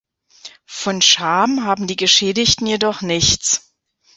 Von Scham haben die Geschädigten jedoch nichts.